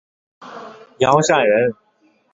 杨善人。